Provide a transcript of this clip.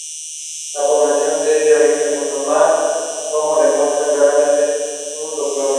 La población es de origen musulmán, como demuestra claramente su topónimo.